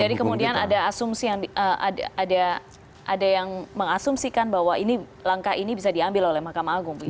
jadi kemudian ada yang mengasumsikan bahwa ini langkah ini bisa diambil oleh mahkamah agung gitu